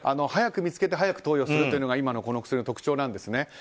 早く見つけて早く投与するというのが今の薬の特徴なんですね。